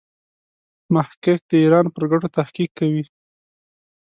محقق د ایران پر ګټو تحقیق کوي.